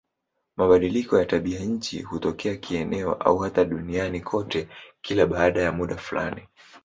Mabadiliko ya tabianchi hutokea kieneo au hata duniani kote kila baada ya muda fulani.